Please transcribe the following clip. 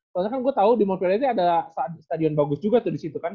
soalnya kan gue tahu di monpelete ada stadion bagus juga tuh di situ kan